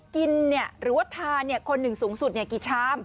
หรือว่าทานคนหนึ่งสูงสุดกี่ชาม